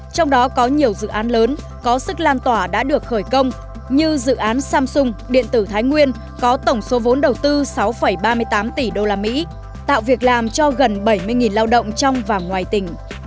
trong đó có nhiều dự án lớn có sức lan tỏa đã được khởi công như dự án samsung điện tử thái nguyên có tổng số vốn đầu tư sáu ba mươi tám tỷ usd tạo việc làm cho gần bảy mươi lao động trong và ngoài tỉnh